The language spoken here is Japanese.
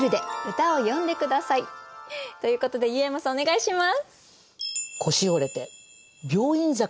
ということで湯山さんお願いします。